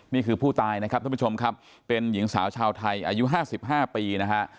นี่คือผู้ตายนะครับท่านผู้ชมครับเป็นหญิงสาวชาวไทยอายุห้าสิบห้าปีนะฮะ